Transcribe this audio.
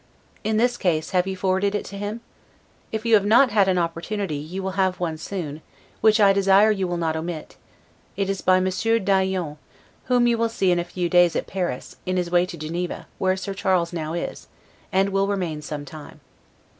In this case, have you forwarded it to him? If you have not had an opportunity, you will have one soon; which I desire you will not omit; it is by Monsieur d'Aillion, whom you will see in a few days at Paris, in his way to Geneva, where Sir Charles now is, and will remain some time.